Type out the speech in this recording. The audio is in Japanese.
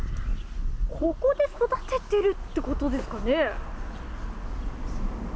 ここで育てているっていうことですかね。